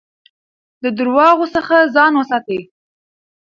د درواغو څخه ځان وساتئ.